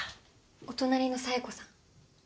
お隣の紗江子さん。